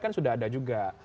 kan sudah ada juga